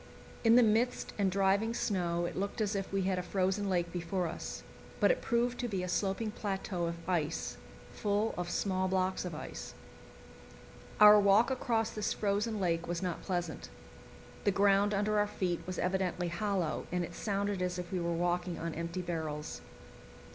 In the mist and driving snow it looked as if we had a frozen lake before us; but it proved to be a sloping plateau of ice, full of small blocks of ice. Our walk across this frozen lake was not pleasant. The ground under our feet was evidently hollow, and it sounded as if we were walking on empty barrels.